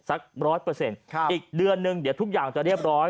ร้อยเปอร์เซ็นต์อีกเดือนนึงเดี๋ยวทุกอย่างจะเรียบร้อย